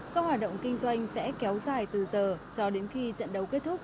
các hoạt động kinh doanh sẽ kéo dài từ giờ cho đến khi trận đấu kết thúc